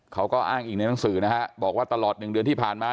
เขาก็อ้างอีกในหนังสือนะฮะบอกว่าตลอด๑เดือนที่ผ่านมา